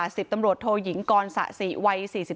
สิทธิ์ตำรวจโทหยิงกรสะสีวัย๔๓